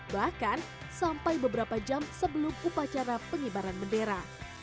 bahkan sampai beberapa jam sebelum upacara pengibaran bendera